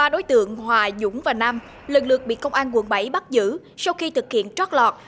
ba đối tượng hòa dũng và nam lần lượt bị công an quận bảy bắt giữ sau khi thực hiện trót lọt